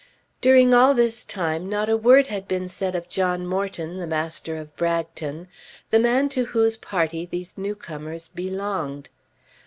During all this time not a word had been said of John Morton, the master of Bragton, the man to whose party these new comers belonged.